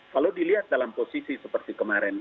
kalau dilihat dalam posisi seperti kemarin